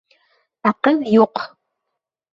Ә ҡыҙ юҡ.